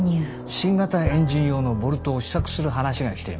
新型エンジン用のボルトを試作する話が来ています。